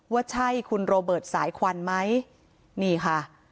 ว่าใช่คุณโรเบิร์ตสายควันไหมนี่ค่ะ